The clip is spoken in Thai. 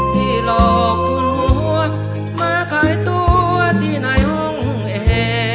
ที่หลอกหุ่นหัวมาคลายตัวที่นายองค์